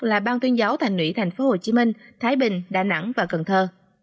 là ban tuyên giáo thành ủy tp hcm thái bình đà nẵng và cần thơ